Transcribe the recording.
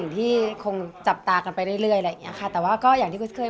กีฟนจับตารึเนี้ย